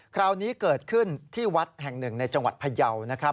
คราวนี้เกิดขึ้นที่วัดแห่งหนึ่งในจังหวัดพยาวนะครับ